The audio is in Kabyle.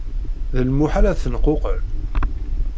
D lmuḥal ad tenquqel.